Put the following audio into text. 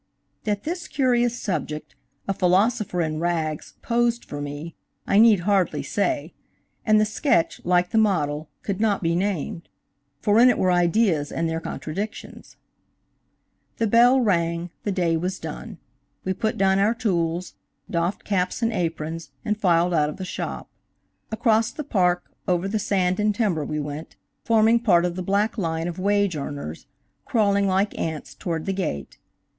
That this curious subject, a philosopher in rags, posed for me, I need hardly say; and the sketch, like the model, could not be named, for in it were ideas and their contradictions. The bell rang–the day was done. We put down our tools, doffed caps and aprons, and filed out of the shop. Across the park, over the sand and timber we went, forming part of the black line of wage earners, crawling like ants, toward the gate.